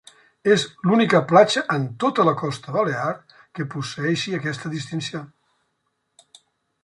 És l'única platja en tota la costa balear que posseeixi aquesta distinció.